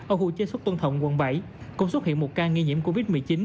ở khu chế xuất tuân thọng quận bảy cũng xuất hiện một ca nghi nhiễm covid một mươi chín